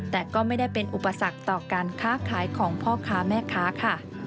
แต่ก็ไม่ได้เป็นอุปสรรคต่อการค้าขายของพ่อค้าแม่ค้าค่ะ